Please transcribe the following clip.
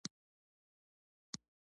ولې موږ خپلې سترګې پټوو کله چې دعا کوو.